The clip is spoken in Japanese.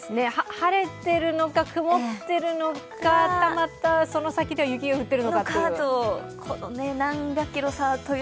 晴れてるのか曇っているのか、はたまたその先で雪が降ってるのかという。